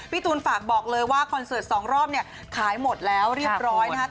ตูนฝากบอกเลยว่าคอนเสิร์ต๒รอบเนี่ยขายหมดแล้วเรียบร้อยนะครับ